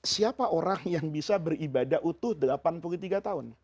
siapa orang yang bisa beribadah utuh delapan puluh tiga tahun